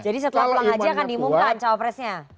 jadi setelah pulang haji akan dimungkan cawapresnya